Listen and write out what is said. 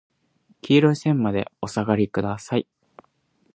黄色い線までお下りください。